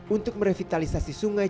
untuk merevitalisasi sungai